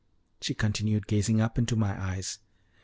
She continued gazing up into my eyes.